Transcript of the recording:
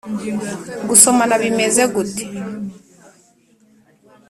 gusomana bimeze gute?”